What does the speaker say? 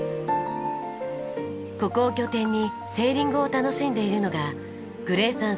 ここを拠点にセーリングを楽しんでいるのがグレイさん